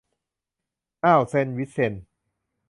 อ่าวเซนต์วินเซนต์